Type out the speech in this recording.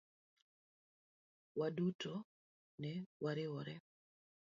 Waduto ne wariwore.